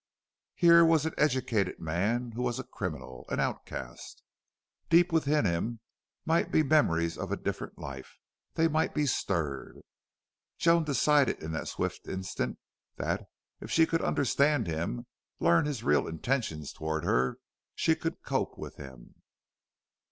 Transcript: Here was an educated man who was a criminal an outcast. Deep within him might be memories of a different life. They might be stirred. Joan decided in that swift instant that, if she could understand him, learn his real intentions toward her, she could cope with him.